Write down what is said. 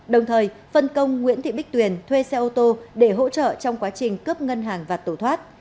đồng thời phân công nguyễn thị bích tuyền thuê xe ô tô để hỗ trợ trong quá trình cướp ngân hàng và tổ thoát